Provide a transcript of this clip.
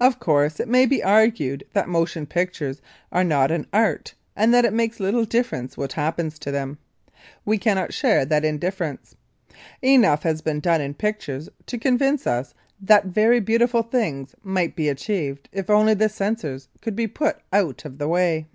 Of course, it may be argued that motion pictures are not an art and that it makes little difference what happens to them. We cannot share that indifference. Enough has been done in pictures to convince us that very beautiful things might be achieved if only the censors could be put out of the way.